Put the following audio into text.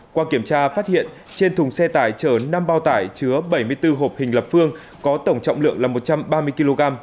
qua kiểm tra phát hiện trên thùng xe tải chở năm bao tải chứa bảy mươi bốn hộp hình lập phương có tổng trọng lượng là một trăm ba mươi kg